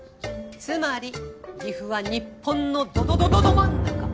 つまり岐阜は日本のどどどどど真ん中。